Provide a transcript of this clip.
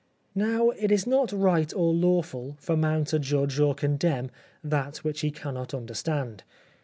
Now it is not right or lawful for man to judge or to condemn that which he cannot understand.